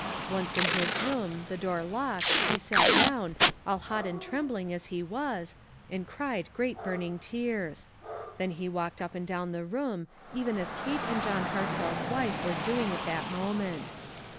Once in his room, the door locked, he sat down, all hot and trembling as he was, and cried great burn ing tears. Then he walked up and down the room, even as Kate and John Hartzell's wife were doing at that moment.